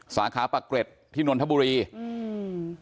สาขาปรักเกร็จที่นวลธบุรีอืม